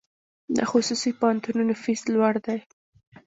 د خصوصي پوهنتونونو فیس لوړ دی؟